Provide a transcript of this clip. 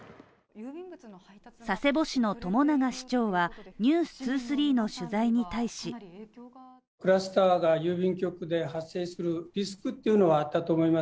佐世保市の朝長市長は「ＮＥＷＳ２３」の取材に対し日本郵便